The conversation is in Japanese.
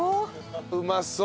うまそう！